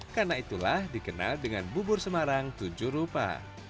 karena itulah dikenal dengan bubur semarang tujuh rupa